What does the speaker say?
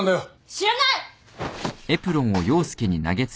知らない。